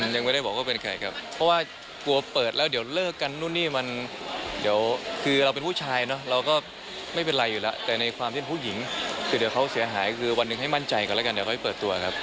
ยังไม่ได้บอกว่าเป็นใครครับเพราะว่ากลัวเปิดแล้วเดี๋ยวเลิกกันนู่นนี่มันเดี๋ยวคือเราเป็นผู้ชายเนอะเราก็ไม่เป็นไรอยู่แล้วแต่ในความที่เป็นผู้หญิงคือเดี๋ยวเขาเสียหายคือวันหนึ่งให้มั่นใจก่อนแล้วกันเดี๋ยวค่อยเปิดตัวครับ